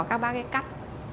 các bác ấy cắt